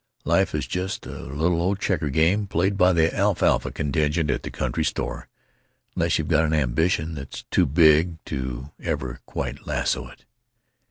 Life is just a little old checker game played by the alfalfa contingent at the country store unless you've got an ambition that's too big to ever quite lasso it.